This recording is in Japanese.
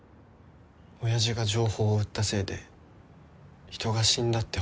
親父が情報を売ったせいで人が死んだって